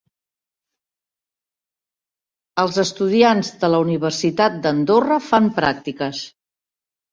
Els estudiants de la Universitat d'Andorra fan pràctiques